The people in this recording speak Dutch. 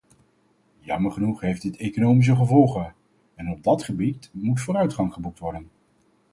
Jammer genoeg heeft dit economische gevolgen, en op dat gebied moet vooruitgang geboekt worden.